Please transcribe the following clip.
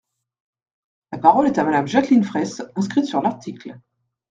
La parole est à Madame Jacqueline Fraysse, inscrite sur l’article.